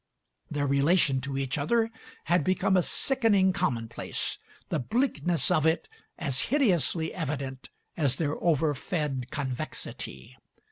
Their relation to each other had become a sickening commonplace, the bleakness of it as hideously evident as their overfed convexity.